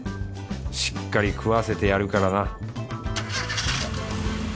しっかり食わせてやるからな